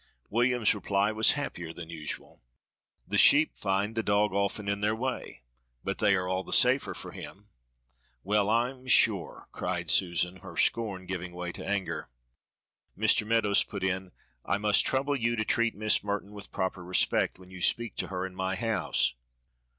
William's reply was happier than usual. "The sheep find the dog often in their way, but they are all the safer for him." "Well, I'm sure," cried Susan, her scorn giving way to anger. Mr. Meadows put in: "I must trouble you to treat Miss Merton with proper respect when you speak to her in my house."